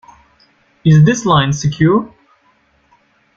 Is this line secure?